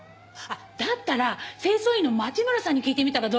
だったら清掃員の町村さんに聞いてみたらどうかしら？